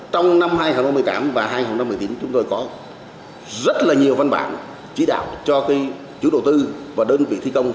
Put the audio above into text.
trong năm hai nghìn một mươi tám và hai nghìn một mươi chín chúng tôi có rất nhiều văn bản chỉ đạo cho chủ đầu tư và đơn vị thi công